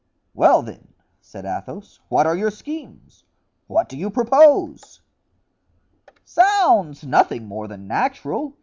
"Well, then," said Athos, "what are your schemes? what do you propose?" "Zounds! nothing more than natural.